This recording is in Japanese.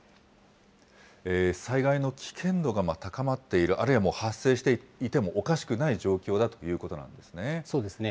災害の危険度が高まっている、あるいはもう発生していてもおかしくない状況だということなんでそうですね。